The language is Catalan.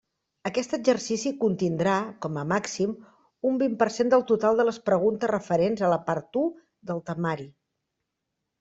Aquest exercici contindrà, com a màxim, un vint per cent del total de les preguntes referents a la part u del temari.